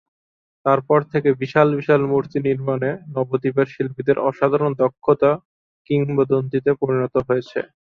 তারপর থেকে বিশাল বিশাল মূর্তি নির্মাণে নবদ্বীপের শিল্পীদের অসাধারণ দক্ষতা কিংবদন্তিতে পরিণত হয়েছে।